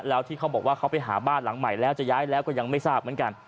แล้วที่เขาบอกว่าเขาไปหาบ้านหลังใหม่แล้วจะย้ายแล้วก็ยังไม่ทราบเหมือนกัน